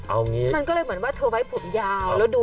มันก็เลยเหมือนว่าเธอไว้ผมยาวแล้วดูสลุง